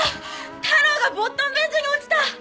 太郎がボットン便所に落ちた！